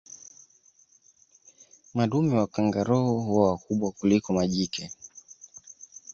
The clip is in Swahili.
Madume wa kangaroo huwa wakubwa kuliko majike